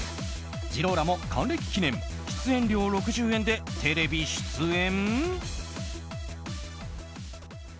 ジローラモ、還暦記念出演料６０円でテレビ出演？